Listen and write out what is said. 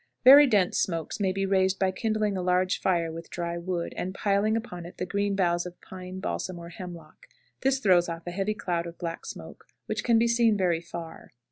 Very dense smokes may be raised by kindling a large fire with dry wood, and piling upon it the green boughs of pine, balsam, or hemlock. This throws off a heavy cloud of black smoke which can be seen very far.